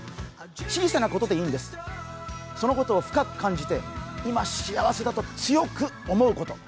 小さなことでいいんです、そのことを深く感じて、今、幸せだと強く思うこと。